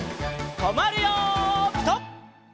とまるよピタ！